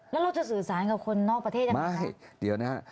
แล้วเราจะสื่อสารกับคนนอกประเทศยังไงใช่เดี๋ยวนะฮะ